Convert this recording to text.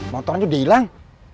motornya udah ilang